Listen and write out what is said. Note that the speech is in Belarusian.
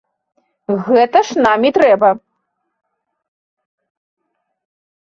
Гэта ж нам і трэба!